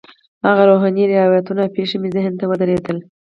هغه روحاني روایتونه او پېښې مې ذهن ته ودرېدل.